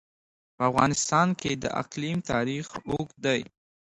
په افغانستان کې د اقلیم تاریخ اوږد دی.